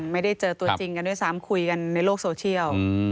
ไม่ได้เจอตัวจริงกันด้วยซ้ำคุยกันในโลกโซเชียล